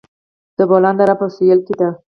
د بولان دره په سویل کې ده